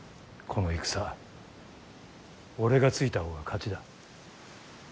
この戦俺がついた方が勝ちだ。